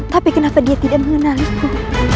tapi kenapa dia tidak mengenaliku